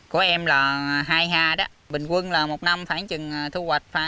của em là hai ha đó bình quân là một năm khoảng chừng thu hoạch